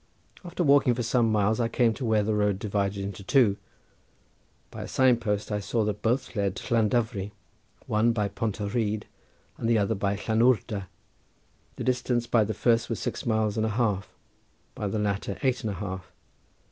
After walking for some miles I came to where the road divided into two. By a sign post I saw that both led to Llandovery, one by Porth y Rhyd and the other by Llanwrda. The distance by the first was six miles and a half, by the latter eight and a half.